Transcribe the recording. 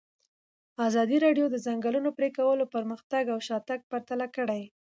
ازادي راډیو د د ځنګلونو پرېکول پرمختګ او شاتګ پرتله کړی.